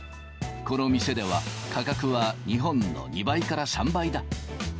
この店では価格は、日本の２倍から３倍だ。